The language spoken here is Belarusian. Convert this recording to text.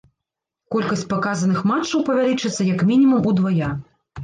Колькасць паказаных матчаў павялічыцца як мінімум удвая.